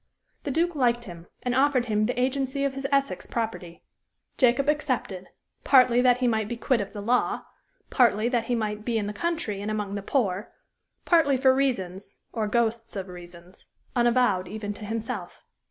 The Duke liked him, and offered him the agency of his Essex property. Jacob accepted, partly that he might be quit of the law, partly that he might be in the country and among the poor, partly for reasons, or ghosts of reasons, unavowed even to himself.